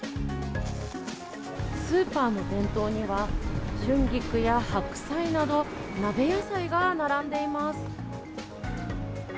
スーパーの店頭には、春菊や白菜など、鍋野菜が並んでいます。